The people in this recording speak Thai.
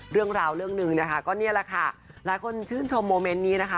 เรื่องราวเรื่องหนึ่งนะคะก็นี่แหละค่ะหลายคนชื่นชมโมเมนต์นี้นะคะ